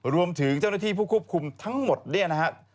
รวมถึงเจ้าหน้าที่ผู้ควบคุมทั้งหมดนะฮะ